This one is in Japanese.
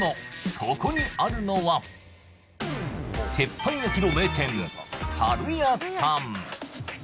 そこにあるのは鉄板焼きの名店たるやさん